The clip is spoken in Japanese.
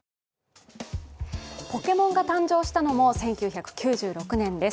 ポケモンが誕生したのも１９９６年です。